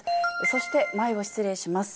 そして前を失礼します。